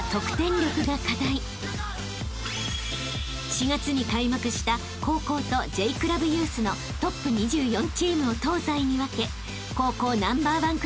［４月に開幕した高校とＪクラブユースのトップ２４チームを東西に分け高校ナンバーワンクラブを決める